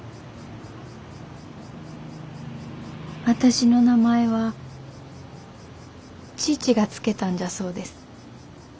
私の名前は父が付けたんじゃそうです。